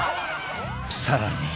［さらに］